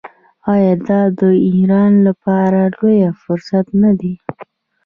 آیا دا د ایران لپاره لوی فرصت نه دی؟